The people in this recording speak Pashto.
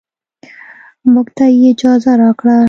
موږ ته يې اجازه راکړه.